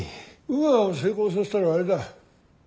ウーアを成功させたらあれだ。